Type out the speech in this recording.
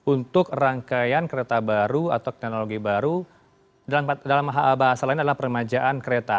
untuk rangkaian kereta baru atau teknologi baru dalam bahasa lain adalah permajaan kereta